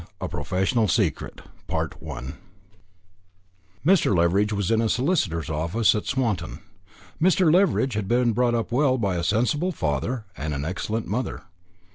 A PROFESSIONAL SECRET Mr. Leveridge was in a solicitor's office at Swanton. Mr. Leveridge had been brought up well by a sensible father and an excellent mother.